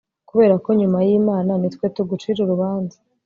kuberako, nyuma yimana, nitwe tugucira urubanza